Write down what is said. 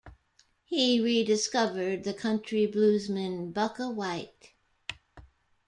He rediscovered the country bluesman Bukka White.